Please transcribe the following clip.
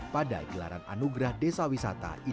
pada gelaran anugerah desa wisata